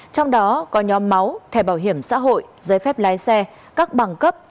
trong đó có nhóm máu thẻ bảo hiểm xã hội giấy phép lái xe các bằng cấp